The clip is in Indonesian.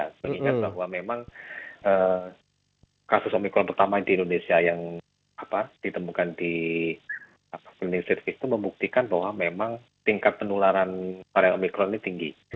mengingat bahwa memang kasus omikron pertama di indonesia yang ditemukan di planning service itu membuktikan bahwa memang tingkat penularan varian omikron ini tinggi